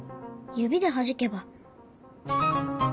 指ではじけば。